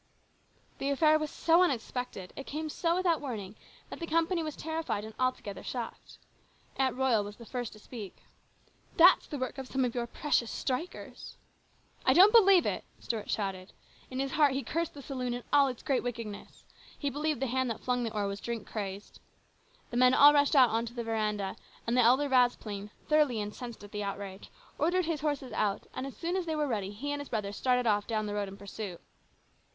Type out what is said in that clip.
The affair was so unexpected, it came so without warning, that the company was terrified and alto gether shocked. Aunt Royal was the first to speak. " That's the work of some of your precious strikers." " I don't believe it !" Stuart shouted. In his heart he cursed the saloon and all its great wicked ness. He believed the hand that flung the ore was drink crazed. The men all rushed out on the veranda, and the elder Vasplaine, thoroughly incensed at the outrage, ordered his horses out, and as soon as they were ready he and his brother started off down the road in pursuit.